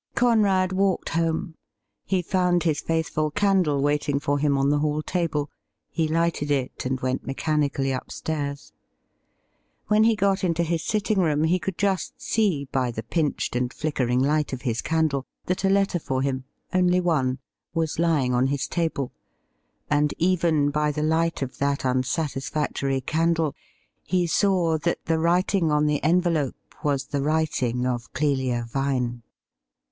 Conrad walked home. He found his faithful candle waiting for him on the hall table ; he lighted it, and went mechanically upstairs. When he got into his sitting room, he could just see, by the pinched and jflickering light of his candle, that a letter for him — only one — was lying on his table, and even by the light of that imsatisfactory candle he saw that the writing on the envelope was the writing of Clelia Vine.